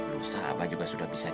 lusa abah juga sudah bisa cerdik